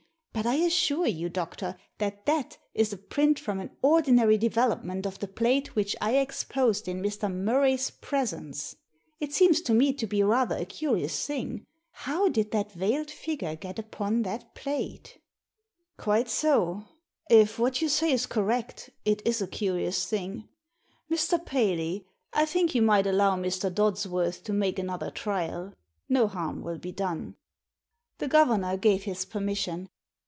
But I assure you, doctor, that that is a print from an ordinary de velopment of the plate which I exposed in Mr. Murra/s presence. It seems to me to be rather a curious thing. How did that veiled figure get upon that plate?" Digitized by VjOOQIC THE PHOTOGRAPHS 21 "Quite so! If what you say is correct, it is a curious thing. Mr. Paley, I think you might allow Mr. Dodsworth to make another trial. No harm will be done." The governor gave his permission.